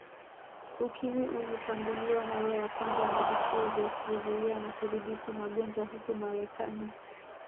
Ukimwi ulitambuliwa mara ya kwanza na Vituo vya Kuzuia na Kudhibiti magonjwa huko Marekani